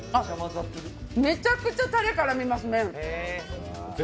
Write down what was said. めちゃくちゃたれ、絡みますね、麺。